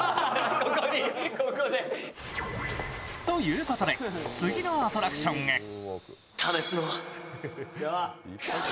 ということで、次のアトラクションへ。